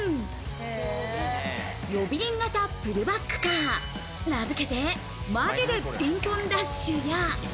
呼び鈴型プルバックカーなずけて「マジでピンポンダッシュ」や。